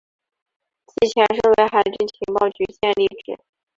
其前身为海军情报局建立之。